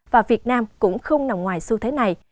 và việt nam cũng không nằm ngoài xu thế này